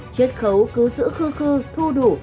chiết khấu cứ giữ khư khư thu đủ